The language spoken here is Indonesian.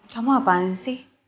kamu apaan sih